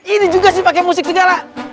ini juga sih pakai musik segala